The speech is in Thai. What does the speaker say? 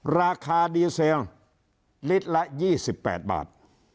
ราคาดีเซลลิตรละ๒๘บาท